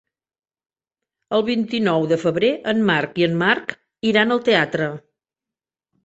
El vint-i-nou de febrer en Marc i en Marc iran al teatre.